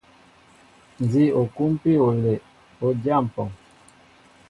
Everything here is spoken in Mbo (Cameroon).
Nzi o kumpi olɛʼ, o dya mpɔŋ.